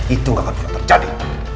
itu akan terjadi